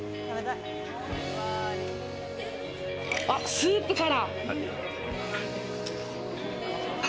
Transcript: スープから。